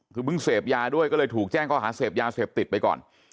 คือเพิ่งเสพยาด้วยก็เลยถูกแจ้งข้อหาเสพยาเสพติดไปก่อน